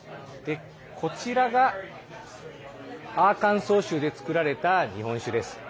こちらがアーカンソー州で造られた日本酒です。